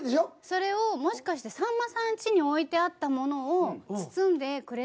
それをもしかしてさんまさんちに置いてあったものを包んでくれたのかなと思って。